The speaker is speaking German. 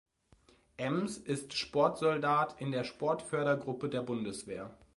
Ems ist Sportsoldat in der Sportfördergruppe der Bundeswehr.